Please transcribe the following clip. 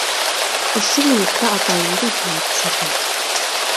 Ошо минутта атайымды иҫемә төшөрҙөм.